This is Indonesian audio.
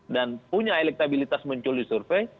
dan punya elektabilitas muncul di survei